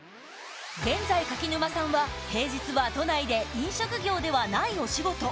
現在柿沼さんは平日は都内で飲食業ではないお仕事